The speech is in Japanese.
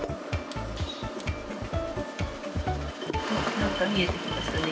なんか見えてきましたね